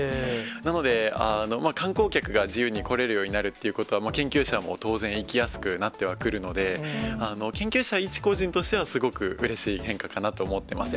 なので、観光客が自由に来れるようになるってことは、研究者も当然、行きやすくなってはくるので、研究者一個人としては、すごくうれしい変化かなと思っています。